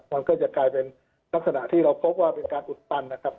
เพื่อจะกลายเป็นนักศึกษาที่เราพบว่าเป็นการอุดตันนะครับ